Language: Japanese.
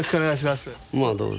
まあどうぞ。